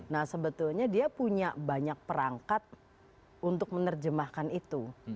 nah sebetulnya dia punya banyak perangkat untuk menerjemahkan itu